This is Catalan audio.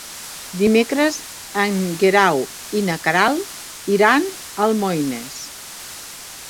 Dimecres en Guerau i na Queralt iran a Almoines.